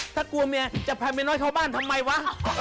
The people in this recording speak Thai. ถ้ากลัวเมียจะพาเมียน้อยเข้าบ้านทำไมวะ